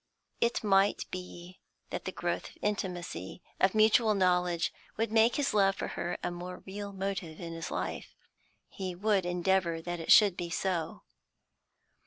It might be that the growth of intimacy, of mutual knowledge, would make his love for her a more real motive in his life. He would endeavour that it should be so.